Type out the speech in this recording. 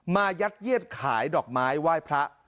ยัดเยียดขายดอกไม้ไหว้พระ